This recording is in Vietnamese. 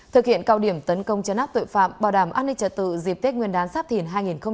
thực hiện cao điểm tấn công chấn áp tội phạm bảo đảm an ninh trật tự dịp tết nguyên đán sắp thìn hai nghìn hai mươi bốn